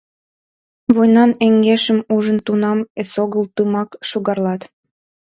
Войнан эҥгекшым ужын Тунам эсогыл тымык шӱгарлат!